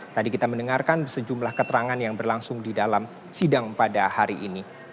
tadi kita mendengarkan sejumlah keterangan yang berlangsung di dalam sidang pada hari ini